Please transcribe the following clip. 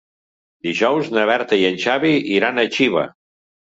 Dijous na Berta i en Xavi iran a Xiva.